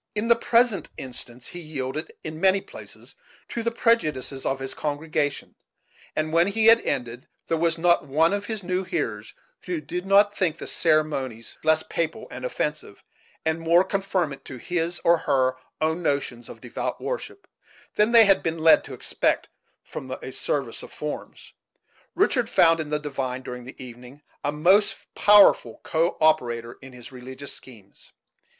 In the present instance he yielded, in many places, to the prejudices of his congregation; and when he had ended, there was not one of his new hearers who did not think the ceremonies less papal and offensive, and more conformant to his or her own notions of devout worship, than they had been led to expect from a service of forms, Richard found in the divine, during the evening, a most powerful co operator in his religious schemes.